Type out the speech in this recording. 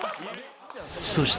［そして］